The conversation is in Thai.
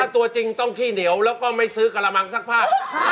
ตัวจริงต้องขี้เหนียวแล้วก็ไม่ซื้อกระมังซักผ้า